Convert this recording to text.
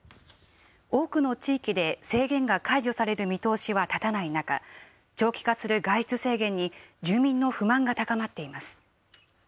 多くの地域で制限が解除される見通しは立たない中、長期化する外出制限に住民の不満が高まっています。